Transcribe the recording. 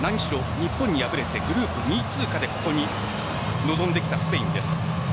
日本に敗れてグループ２位通過でここに臨んできたスペインです。